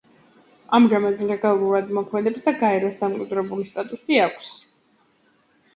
ამჟამად ლეგალურად მოქმედებს და გაეროს დამკვირვებლის სტატუსი აქვს.